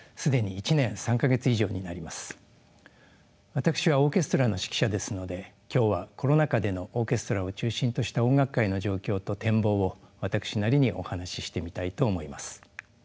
私はオーケストラの指揮者ですので今日はコロナ禍でのオーケストラを中心とした音楽界の状況と展望を私なりにお話ししてみたいと思います。